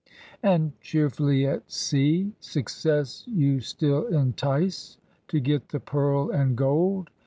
And cheerfully at sea Success you still entice. To get the pearl and gold.